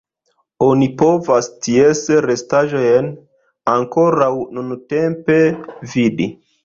Oni povas ties restaĵojn ankoraŭ nuntempe vidi.